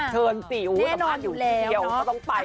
เชิญติอู๋สัมภาษณ์อยู่ที่เดียวเขาต้องไป